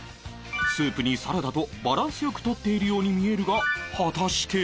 スープにサラダとバランス良く取っているように見えるが果たして